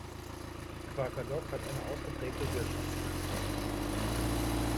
Qaqortoq hat eine ausgeprägte Wirtschaftsstruktur.